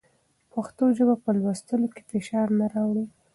پښتو ژبه په لوستلو کې فشار نه راوړي.